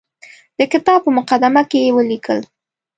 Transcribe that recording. د کتاب په مقدمه کې یې ولیکل.